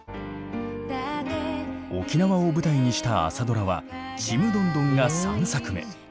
沖縄を舞台にした朝ドラは「ちむどんどん」が３作目。